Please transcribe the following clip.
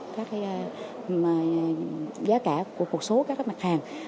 các giá cả của cuộc số các mặt hàng